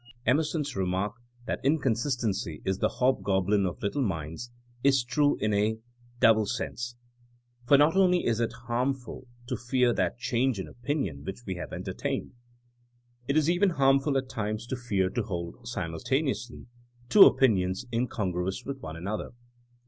Emerson's remark, that inconsistency is the hobgoblin of little minds, is true in a double sense. For not only is it harmful to fear to ^'The Will to Believe* ^Autobiography, 114 THINKING AS A SCIENCE change an opinion which we have entertained, it is even harmful at times to fear to hold simultaneously two opinions incongruous with one another.